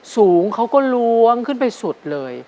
สูงเขาก็ล้วงขึ้นไปสุดเลย